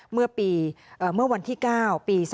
เมื่อวันที่๙ปี๒๕๖